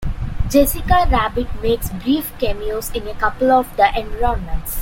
Jessica Rabbit makes brief cameos in a couple of the environments.